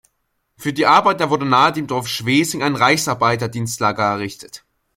Für die Arbeiter wurde nahe dem Dorf Schwesing ein Reichsarbeitsdienstlager errichtet.